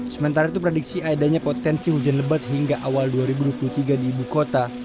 sementara itu prediksi adanya potensi hujan lebat hingga awal dua ribu dua puluh tiga di ibu kota